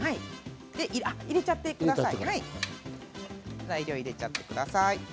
入れちゃってください。